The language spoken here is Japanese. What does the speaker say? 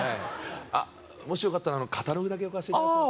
もしよかったらカタログだけ置かせていただいてああ